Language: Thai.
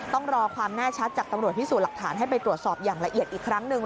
ต้องรอความแน่ชัดจากตำรวจพิสูจน์หลักฐานให้ไปตรวจสอบอย่างละเอียดอีกครั้งหนึ่ง